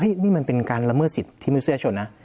นี่มันเป็นการละเมิดสิทธิมนุษยชนนะ